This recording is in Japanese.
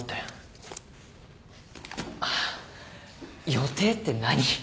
予定って何？